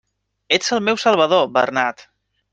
Ets el meu salvador, Bernat!